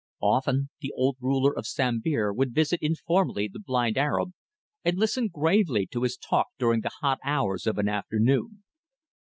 Often the old ruler of Sambir would visit informally the blind Arab and listen gravely to his talk during the hot hours of an afternoon.